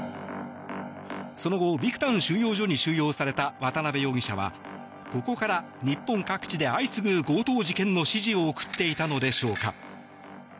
その後、ビクタン収容所に収容された渡邉容疑者はここから、日本各地で相次ぐ強盗事件の指示を送っていたのでしょうか。